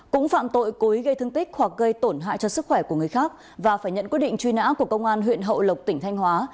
cũng phạm tội cố ý gây thương tích hoặc gây tổn hại cho sức khỏe của người khác và phải nhận quyết định truy nã của công an huyện hậu lộc tỉnh thanh hóa